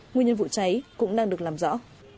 nguyên nhân vụ cháy cũng đang được làm rõ